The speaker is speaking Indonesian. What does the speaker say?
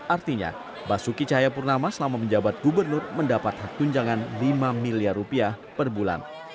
artinya basuki cahaya purnama selama menjabat gubernur mendapat hak tunjangan rp lima miliar per bulan